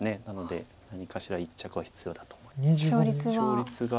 なので何かしら一着は必要だと思います。